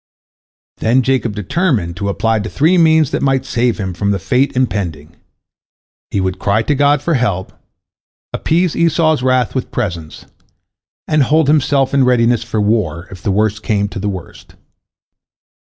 Then Jacob determined to apply the three means that might save him from the fate impending: he would cry to God for help, appease Esau's wrath with presents, and hold himself in readiness for war if the worst came to the worst.